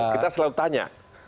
kita selalu tanya